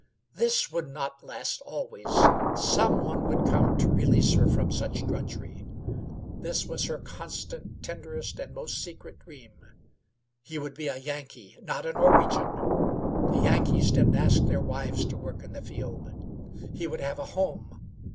This would not last always. Some one would come to release her from such drudgery. This was her constant, tenderest, and most secret dream. He would be a Yankee, not a Norwegian. The Yankees didn't ask their wives to work in the field. He would have a home.